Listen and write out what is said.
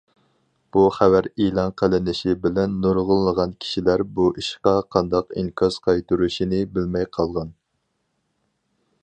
بۇ خەۋەر ئېلان قىلىنىشى بىلەن نۇرغۇنلىغان كىشىلەر بۇ ئىشقا قانداق ئىنكاس قايتۇرۇشنى بىلمەي قالغان.